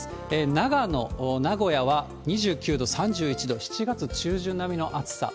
長野、名古屋は２９度、３１度、７月中旬並みの暑さ。